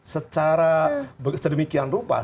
secara sedemikian rupa